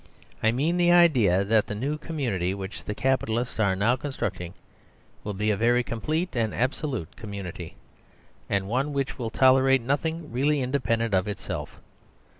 I mean the idea that the new community which the capitalists are now constructing will be a very complete and absolute community; and one which will tolerate nothing really independent of itself.